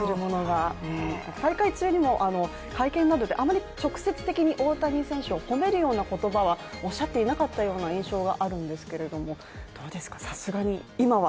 大会中にも会見などで、あまり直接的に大谷選手を褒めるような言葉はおっしゃっていなかったような印象があるんですけれども、どうですかさすがに今は。